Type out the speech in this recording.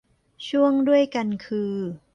ช่วงด้วยกันคือ